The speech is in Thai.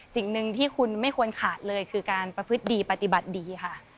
สิ่งหนึ่งที่คุณไม่ควรขาดเลยคือการประพฤติดีปฏิบัติดีค่ะ